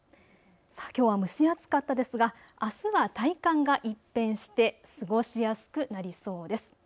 きょうは蒸し暑かったですがあすは体感が一変して過ごしやすくなりそうです。